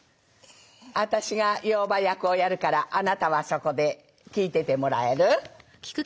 私が妖婆役をやるからあなたはそこで聞いててもらえる？